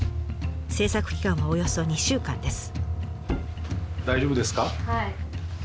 制作期間はおよそ２週間です。